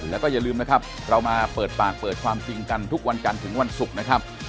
แล้วก็อย่าลืมนะครับเรามาเปิดปากเปิดความจริงกันทุกวันจันทร์ถึงวันศุกร์นะครับ